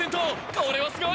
これはすごい！